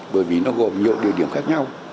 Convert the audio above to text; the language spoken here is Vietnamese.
bởi vì nó gồm nhiều địa điểm khác nhau